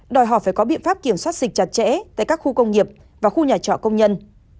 đòi hỏi phải có biện pháp kiểm soát dịch chặt chẽ tại các khu công nghiệp và khu nhà trọ công nhân